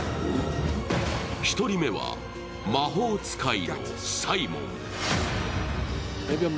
１人目は魔法使いのサイモン。